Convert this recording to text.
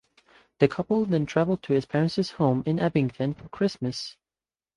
The couple then travelled to his parents' home in Abington for Christmas.